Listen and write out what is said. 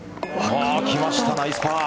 きました、ナイスパー。